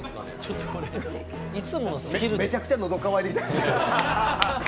めちゃくちゃ喉かわいてきた。